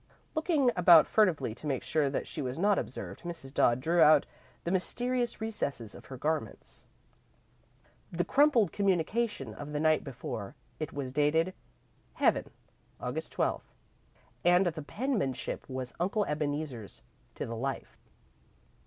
Looking about furtively to make sure that she was not observed, Mrs. Dodd drew out of the mysterious recesses of her garments, the crumpled communication of the night before. It was dated, "Heaven, August 12th," and the penmanship was Uncle Ebeneezer's to the life.